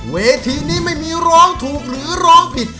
เวทีนี้ไม่มีร้องถูกหรือร้องผิด